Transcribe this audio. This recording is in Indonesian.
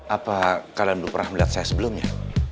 apa kalian dulu pernah melihat saya sebelumnya